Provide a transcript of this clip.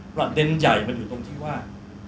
ประเด็นใหญ่มันอยู่ตรงที่ว่า